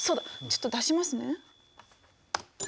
ちょっと出しますね。